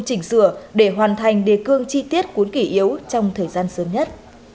chỉnh sửa để hoàn thành đề cương chi tiết cuốn kỷ yếu trong thời gian sớm nhất